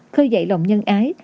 khơi dậy lòng nhân ái